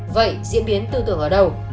vậy diễn biến tư tưởng ở đâu